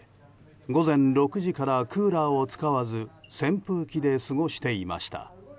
午前６時からクーラーを使わず扇風機で過ごしていました。